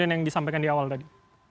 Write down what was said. yang disampaikan di awal tadi